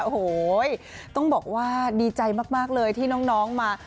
โอ้โหต้องบอกว่าดีใจมากเลยที่น้องมา